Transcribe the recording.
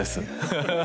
ハハハッ。